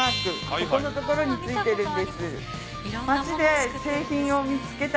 ここのところに付いてるんです。